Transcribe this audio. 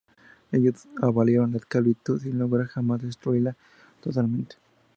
Ellos abolieron la esclavitud, sin lograr jamás destruirla totalmente.